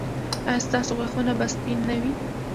ایا ستاسو غاښونه به سپین نه وي؟